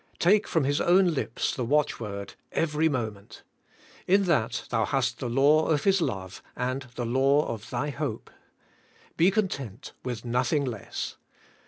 Take from His own lips the watchword: 'Every moinent.'^ In that thou hast the law of His love, and the law of thy hope. Be content with nothing less.